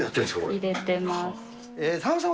入れてます。